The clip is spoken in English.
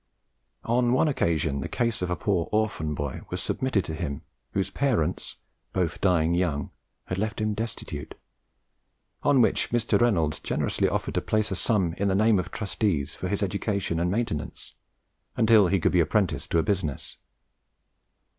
On one occasion the case of a poor orphan boy was submitted to him, whose parents, both dying young, had left him destitute, on which Mr. Reynolds generously offered to place a sum in the names of trustees for his education and maintenance until he could be apprenticed to a business.